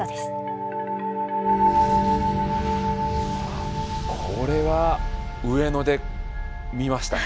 あっこれは上野で見ました。